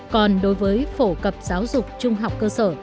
còn đối với phổ cập giáo dục trung học cơ sở